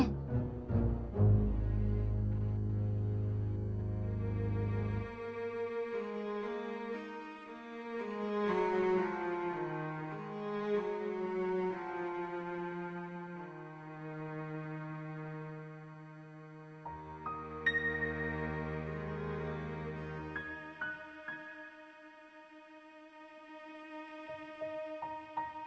ah kang ini gimana tuh